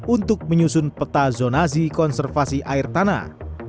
untuk menyusun peta zonasi konservasi air tanah